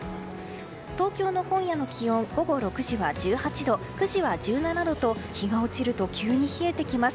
東京の今夜の気温午後６時は１８度９時は１７度と日が落ちると急に冷えてきます。